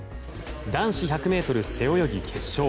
男子１００ｍ背泳ぎ決勝。